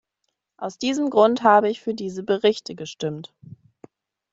Aus diesem Grund habe ich für diese Berichte gestimmt.